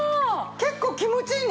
結構気持ちいいね。